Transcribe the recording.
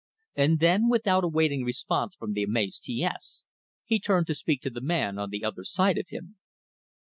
And then, without awaiting response from the amazed T S, he turned to speak to the man on the other side of him.